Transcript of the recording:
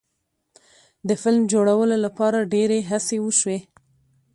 د فلم جوړولو لپاره ډیرې هڅې وشوې.